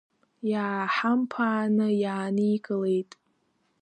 Иааҳамԥааны иааникылеит.